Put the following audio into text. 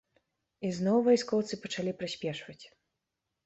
І зноў вайскоўцы пачалі прыспешваць.